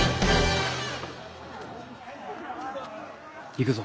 行くぞ。